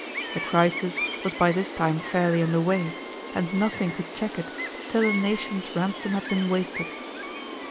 The crisis was by this time fairly under way, and nothing could check it till a nation's ransom had been wasted.